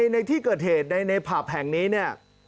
ในที่เกิดเหตุในผับแห่งนี้เนี่ย